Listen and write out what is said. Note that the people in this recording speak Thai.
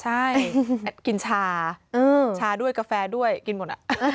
ใช่กินชาชาด้วยกาแฟด้วยกินหมด